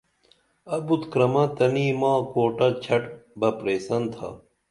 ابُت کرمہ تنئی ماں کوٹہ چھٹ بہ پرئسن تھا